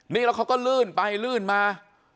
นี่แล้วเขาก็ลื่นไปลื่นมา